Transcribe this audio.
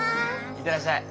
行ってらっしゃい。